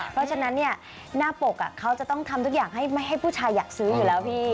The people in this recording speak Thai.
เพราะฉะนั้นเนี่ยหน้าปกเขาจะต้องทำทุกอย่างให้ผู้ชายอยากซื้ออยู่แล้วพี่